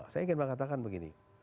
saya ingin mengatakan begini